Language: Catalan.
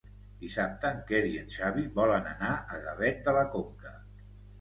Dissabte en Quer i en Xavi volen anar a Gavet de la Conca.